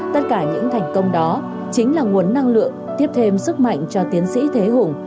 tất cả những thành công đó chính là nguồn năng lượng tiếp thêm sức mạnh cho tiến sĩ thế hùng